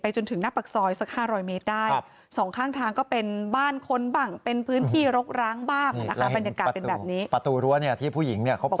ไปจนถึงหน้าปากซอยสัก๕๐๐เมตรได้